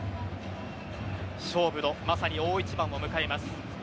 勝負のまさに大一番を迎えます。